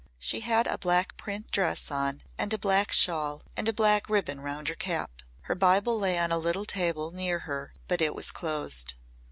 She had a black print dress on and a black shawl and a black ribbon round her cap. Her Bible lay on a little table near her but it was closed.